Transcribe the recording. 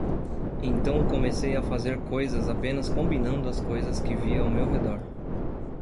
Então comecei a fazer coisas apenas combinando as coisas que vi ao meu redor.